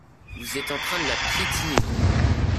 Vous êtes en train de la piétiner.